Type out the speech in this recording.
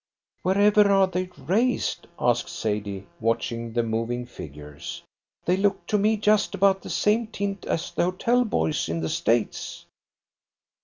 "Wherever are they raised?" asked Sadie, watching the moving figures. "They look to me just about the same tint as the hotel boys in the States."